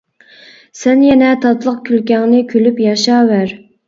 سەن يەنە تاتلىق كۈلكەڭنى كۈلۈپ ياشاۋەر.